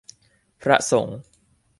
พระสงฆ์